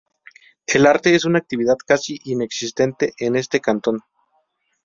El arte es una actividad casi inexistente en este cantón.